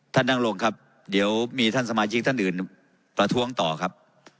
นั่งลงครับเดี๋ยวมีท่านสมาชิกท่านอื่นประท้วงต่อครับ